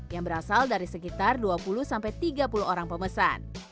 yang berasal dari sekitar dua puluh tiga puluh orang pemesan